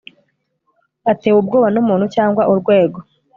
atewe ubwoba n umuntu cyangwa urwego